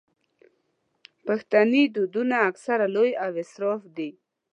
پښتني ودونه اکثره لوی او اسراف دي.